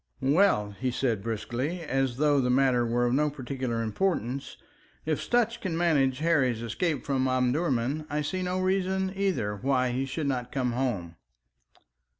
"Well," he said briskly, and as though the matter were of no particular importance, "if Sutch can manage Harry's escape from Omdurman, I see no reason, either, why he should not come home."